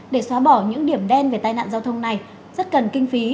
để xóa bỏ những điểm đen về tai nạn giao thông này rất cần kinh phí